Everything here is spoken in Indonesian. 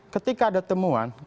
ketika ada temuan